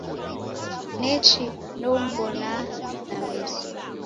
Nechi ndoum'bonaa na meso.